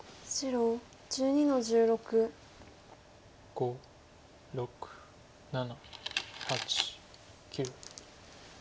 ５６７８９。